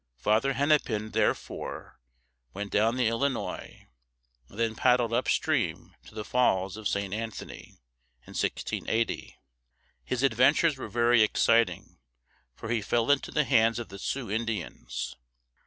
Father Hennepin, therefore, went down the Illinois, and then paddled upstream to the Falls of St. An´tho ny, in 1680. His adventures were very exciting, for he fell into the hands of the Sioux (soo) Indians.